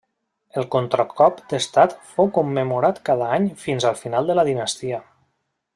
El contracop d'estat fou commemorat cada any fins al final de la dinastia.